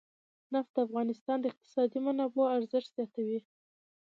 نفت د افغانستان د اقتصادي منابعو ارزښت زیاتوي.